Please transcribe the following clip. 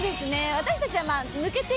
私たちは。